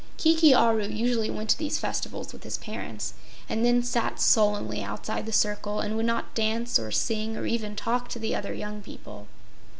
Kiki Aru usually went to these festivals with his parents, and then sat sullenly outside the circle and would not dance or sing or even talk to the other young people.